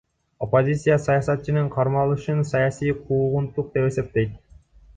Оппозиция саясатчынын кармалышын саясий куугунтук деп эсептейт.